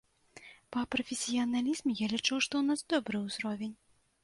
Па прафесіяналізме, я лічу, што ў нас добры ўзровень.